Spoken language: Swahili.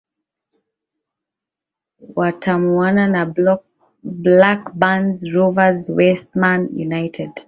wataumana na blackburn rovers westham united